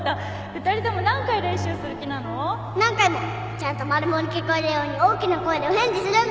ちゃんとマルモに聞こえるように大きな声でお返事するんだもん